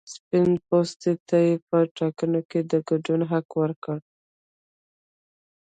سپین پوستو ته یې په ټاکنو کې د ګډون حق ورکړ.